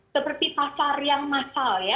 seperti pasar yang mahal ya